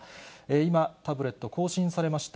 今、タブレット更新されました。